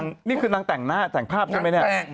นี่คือนางแต่งหน้าแต่งภาพใช่ไหมเนี่ย